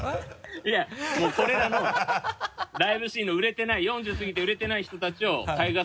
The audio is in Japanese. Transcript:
いやもうこれらのライブシーンの売れてない４０過ぎて売れてない人たちをＴＡＩＧＡ